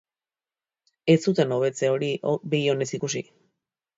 Ez zuten hobetze hori begi onez ikusi.